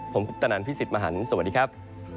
ผมพุทธนันทร์พี่สิทธิ์มหานสวัสดีครับ